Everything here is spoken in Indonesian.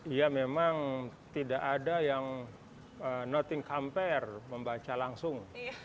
ya memang tidak ada yang nothing compare membaca langsung